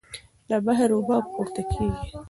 د بحر اوبه پورته کېږي.